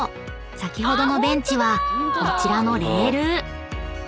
先ほどのベンチはこちらのレール］